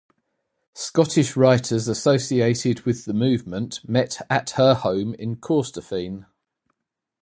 Scottish writers associated with the movement met at her home in Corstorphine.